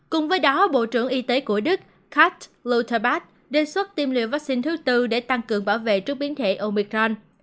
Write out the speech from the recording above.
cùng với đó bộ trưởng y tế của đức kat lutterbach đề xuất tiêm liệu vaccine thứ tư để tăng cường bảo vệ trước biến thể omicron